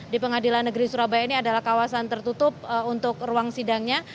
di pengadilan negeri surabaya ini adalah kawasan tertutup untuk ruang sidangnya